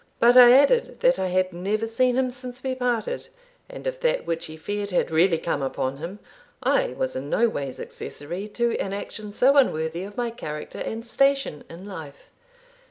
But I added, that I had never seen him since we parted, and if that which he feared had really come upon him, I was in nowise accessory to an action so unworthy of my character and station in life.